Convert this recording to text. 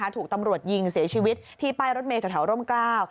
ถูกตำรวจยิงเสียชีวิตที่ไปรถเมฆต่อแถวร่มเกล้า